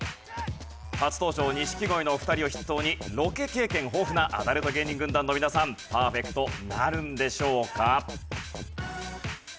初登場錦鯉のお二人を筆頭にロケ経験豊富なアダルト芸人軍団の皆さんパーフェクトなるんでしょうか？